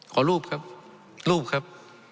ขอรูปครับรูปครับ